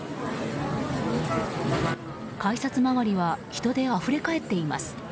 改札周りは人であふれ返っています。